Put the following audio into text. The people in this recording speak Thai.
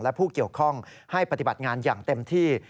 และผู้เกี่ยวข้องให้ปฏิบัติงานอย่างเต็มที่